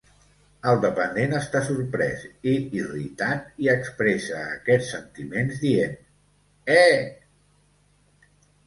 El dependent està sorprès i irritat i expressa aquests sentiments dient: Eh!